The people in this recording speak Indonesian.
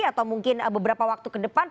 atau mungkin beberapa waktu ke depan